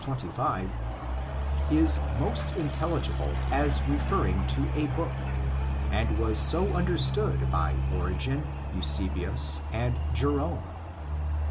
25) is most intelligible as referring to a book, and was so understood by Origen, Eusebius, and Jerome.